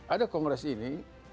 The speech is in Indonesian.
ada kongres ini